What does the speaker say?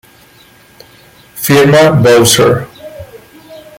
Firma: Bowser.